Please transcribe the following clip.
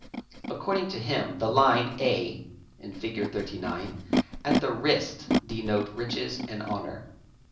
According to him the line A (ig. 39) at the wrist denote riches and honour.